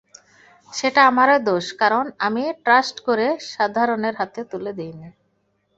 সেটা আমারই দোষ, কারণ আমি ট্রাষ্ট করে সাধারণের হাতে তুলে দিইনি।